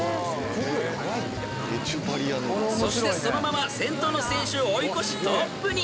［そしてそのまま先頭の選手を追い越しトップに］